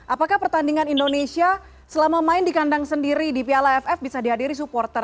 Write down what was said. apakah pertandingan indonesia selama main di kandang sendiri di piala aff bisa dihadiri supporter